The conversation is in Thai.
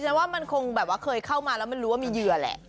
ฉันว่ามันคงแบบว่าเคยเข้ามาแล้วมันรู้ว่ามีเหยื่อแหละ